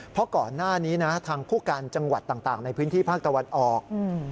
เพราะก่อนหน้านี้นะทางผู้การจังหวัดต่างในพื้นที่ภาคตะวันออก